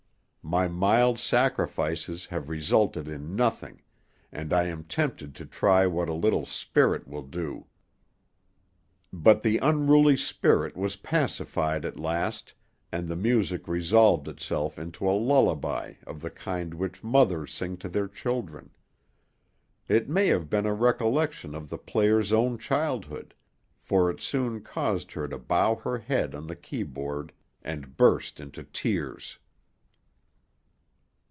My mild sacrifices have resulted in nothing, and I am tempted to try what a little spirit will do." But the unruly spirit was pacified at last, and the music resolved itself into a lullaby of the kind which mothers sing to their children; it may have been a recollection of the player's own childhood, for it soon caused her to bow her head on the keyboard, and burst into tears.